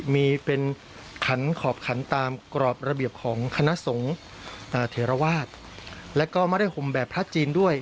มีเป็นขันขอบขันตามกรอบระเบียบของคณะสงฆ์เทราวาสแล้วก็ไม่ได้ห่มแบบพระจีนด้วย